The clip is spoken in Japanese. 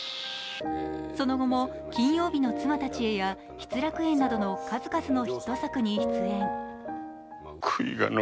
その後も「金曜日の妻たちへ」や「失楽園」などの数々のヒット作に出演。